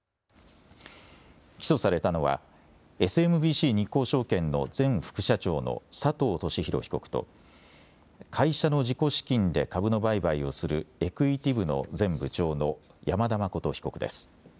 起訴されたのはＳＭＢＣ日興証券の前副社長の佐藤俊弘被告と会社の自己資金で株の売買をするエクイティ部の前部長の山田誠被告です。